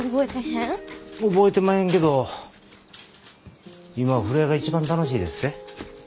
覚えてまへんけど今は風呂屋が一番楽しいでっせ。